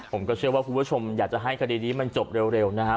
ผมก็เชื่อว่าคุณผู้ชมอยากจะให้คดีนี้มันจบเร็วนะครับ